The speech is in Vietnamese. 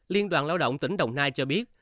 liên đoàn lao động tỉnh đồng nai cho biết